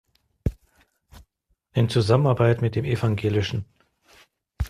In Zusammenarbeit mit dem Ev.